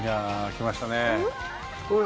来ましたね。